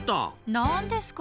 何ですか？